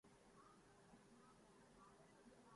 ہم سے تیرے کوچے نے نقش مدعا پایا